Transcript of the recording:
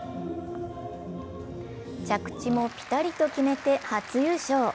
着地もピタリと決めて初優勝。